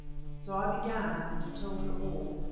So I began and told her all.